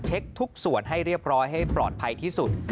เช็คทุกส่วนให้เรียบร้อยให้ปลอดภัยที่สุด